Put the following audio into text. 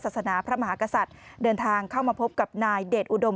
ศาสนาพระมหากษัตริย์เดินทางเข้ามาพบกับนายเดชอุดม